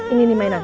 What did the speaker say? ini ini mainan